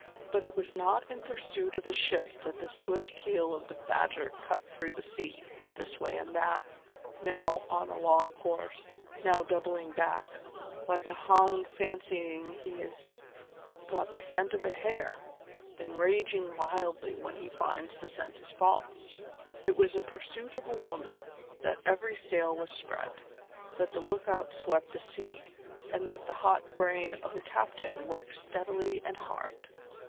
But it was not in pursuit of a ship that the swift keel of the Badger cut through the sea, this way and that, now on a long course, now doubling back again, like a hound fancying he has got the scent of a hare, then raging wildly when he finds the scent is false; it was in pursuit of a woman that every sail was spread, that the lookout swept the sea, and that the hot brain of the captain worked steadily and hard.